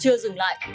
chưa dừng lại